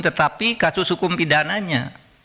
tetapi kasus hukum pidananya